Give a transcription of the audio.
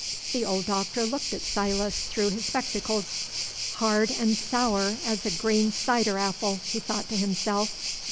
The old Doctor looked at Silas through his spectacles. "Hard and sour as a green cider apple," he thought to himself.